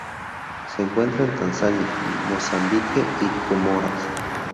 Se encuentra en Tanzania, Mozambique y Comoras.